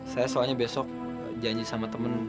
saya soalnya besok janji sama teman